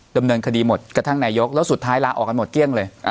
ดำเนินคดีหมดกระทั่งนายกแล้วสุดท้ายลาออกกันหมดเกลี้ยงเลย